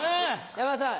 山田さん